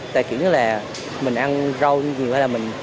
tại kiểu như là mình ăn rau nhiều hay là mình